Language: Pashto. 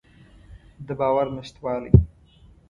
د باور نشتوالی.